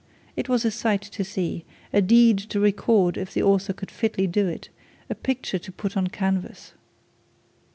It was a sight to see, a deed to record if the author could fitly do it, a picture to put on canvas.